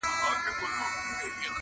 چي تا خر بولي پخپله بې عقلان دي؛